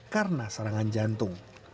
karena serangan jantung